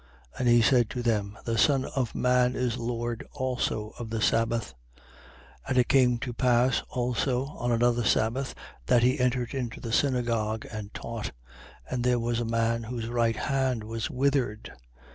6:5. And he said to them: The Son of man is Lord also of the sabbath. 6:6. And it came to pass also, on another sabbath, that he entered into the synagogue and taught. And there was a man whose right hand was withered.